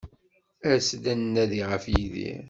As-d ad nnadi ɣef Yidir.